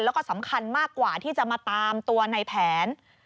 แล้วก็สำคัญมากกว่าที่จะมาตามตัวในแผน